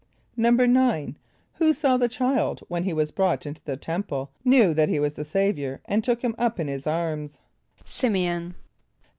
= =9.= Who saw the child when he was brought into the Temple, knew that he was the Saviour, and took him up in his arms? =S[)i]m´e on.